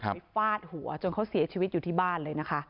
ฟาดหัวจนเขาเสียชีวิตอยู่ที่บ้านเลยนะคะ